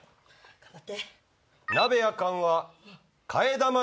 頑張って。